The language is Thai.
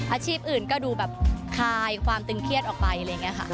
อาชีพอื่นก็ดูแบบคลายความตึงเครียดออกไปอะไรอย่างนี้ค่ะ